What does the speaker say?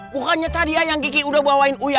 bukannya tadi ya yang kiki udah bawain uya